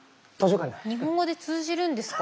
日本語で通じるんですか？